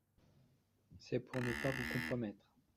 C’est pour ne pas vous compromettre !